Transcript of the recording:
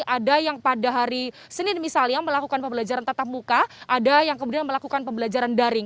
ada yang pada hari senin misalnya melakukan pembelajaran tatap muka ada yang kemudian melakukan pembelajaran daring